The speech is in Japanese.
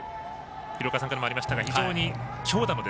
廣岡さんからもありましたが非常に強打の。